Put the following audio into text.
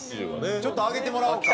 ちょっと上げてもらおうか。